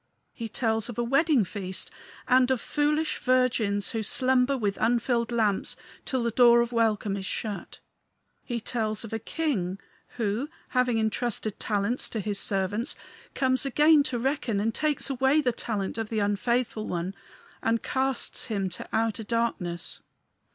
He tells of a wedding feast, and of foolish virgins who slumber with unfilled lamps till the door of welcome is shut. He tells of a king, who, having intrusted talents to his servants, comes again to reckon, and takes away the talent of the unfaithful one and casts him to outer darkness.